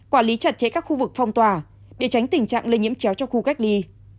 quản lý chặt chẽ các khu vực phong tỏa để tránh tình trạng lây nhiễm chéo cho khu cách ly